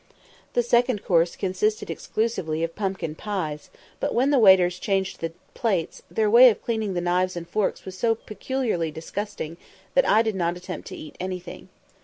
The second course consisted exclusively of pumpkin pies; but when the waiters changed the plates, their way of cleaning the knives and forks was so peculiarly disgusting, that I did not attempt to eat anything.